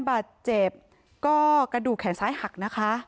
บาดเจ็บก็กระดูกแขนซ้ายหักนะคะ